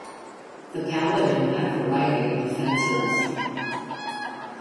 The Paladin had a variety of offenses.